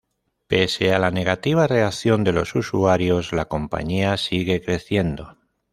Pese a la negativa reacción de los usuarios, la compañía sigue creciendo.